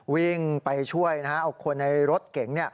วิ่งไปช่วยเอาคนในรถเก๋ง